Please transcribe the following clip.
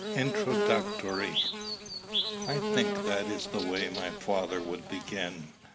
INTRODUCTORY. I think that is the way my father would begin.